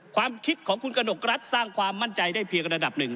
ความคิดของคุณกระหนกรัฐสร้างความมั่นใจได้เพียงระดับหนึ่ง